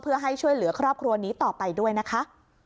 เพื่อให้ช่วยเหลือครอบครัวนี้ต่อไปด้วยนะคะ